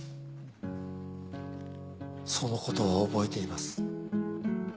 「そのことは覚えています」